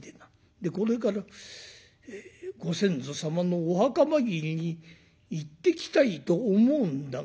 でこれからご先祖様のお墓参りに行ってきたいと思うんだがどうだい？」。